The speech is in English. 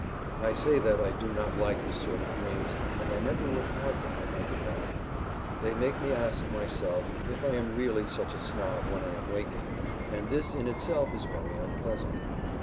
I say that I do not like this sort of dreams, and I never would have them if I could help. They make me ask myself if I am really such a snob when I am waking, and this in itself is very unpleasant.